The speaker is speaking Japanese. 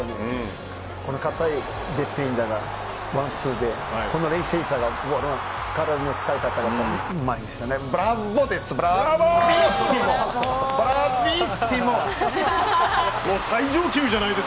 この堅いディフェンダーがワンツーでこの冷静さが体の使い方がうまいです。